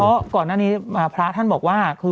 เพราะพระท่านบอกว่า